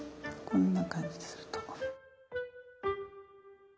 こんな感じですると。